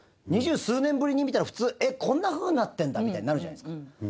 二十数年ぶりに見たら普通えっこんなふうになってるんだみたいになるじゃないですか。